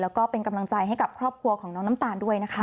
แล้วก็เป็นกำลังใจให้กับครอบครัวของน้องน้ำตาลด้วยนะคะ